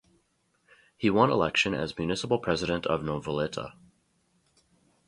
He won election as municipal president of Noveleta.